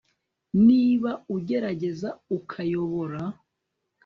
niba ugerageza ukayobora